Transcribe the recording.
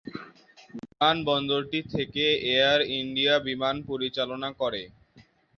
বিমানবন্দরটি থেকে Air India বিমান পরিচালনা করে।